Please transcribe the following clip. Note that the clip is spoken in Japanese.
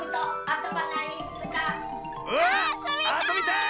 あそびたい！